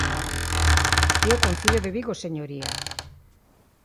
É o Concello de Vigo, señoría.